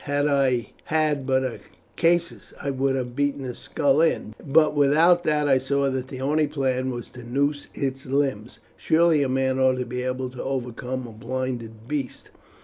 Had I had but a caestus I could have beaten its skull in, but without that I saw that the only plan was to noose its limbs. Surely a man ought to be able to overcome a blinded beast."